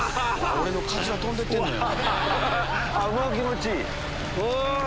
俺のカツラ飛んでってんのよ。